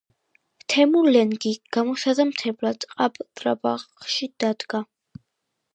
თემურლენგი გამოსაზამთრებლად ყარაბაღში დადგა.